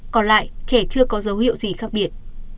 còn lại trẻ chưa có dấu hiệu gì khác biệt